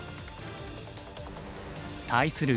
対する